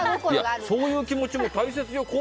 そういう気持ちも大切よ。